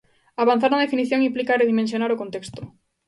Avanzar na definición implica redimensionar o contexto.